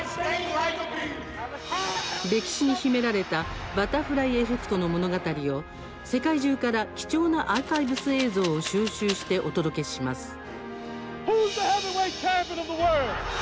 歴史に秘められたバタフライエフェクトの物語を世界中から貴重なアーカイブス映像を収集してお届けします。